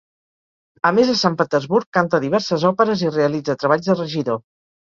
A més a Sant Petersburg canta diverses òperes i realitza treballs de regidor.